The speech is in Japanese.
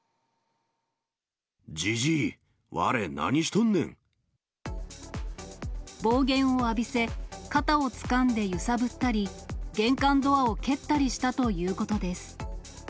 じじい！暴言を浴びせ、肩をつかんで揺さぶったり、玄関ドアを蹴ったりしたということです。